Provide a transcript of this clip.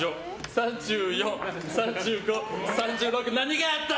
３４、３５、３６。何があった！